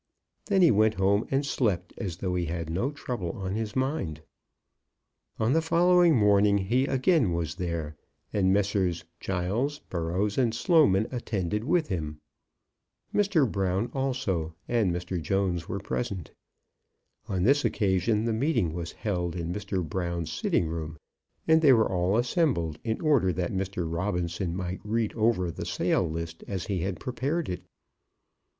Then he went home, and slept as though he had no trouble on his mind. On the following morning he again was there, and Messrs. Giles, Burrows, and Sloman attended with him. Mr. Brown, also, and Mr. Jones were present. On this occasion the meeting was held in Mr. Brown's sitting room, and they were all assembled in order that Robinson might read over the sale list as he had prepared it.